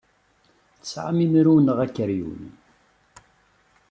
Tesɛam imru neɣ akeryun?